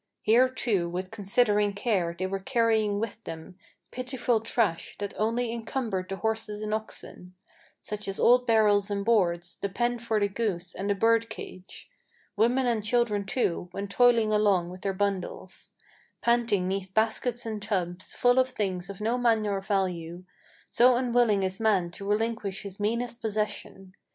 Here, too, with unconsidering care they were carrying with them Pitiful trash, that only encumbered the horses and oxen; Such as old barrels and boards, the pen for the goose, and the bird cage. Women and children, too, went toiling along with their bundles, "Panting 'neath baskets and tubs, full of things of no manner of value: So unwilling is man to relinquish his meanest possession.